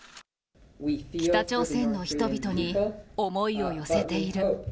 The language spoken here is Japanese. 北朝鮮の人々に思いを寄せている。